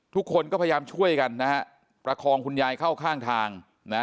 ทุกคนก็พยายามช่วยกันนะฮะประคองคุณยายเข้าข้างทางนะฮะ